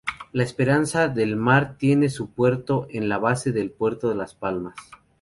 El Esperanza del Mar tiene su puerto base en el Puerto de Las Palmas.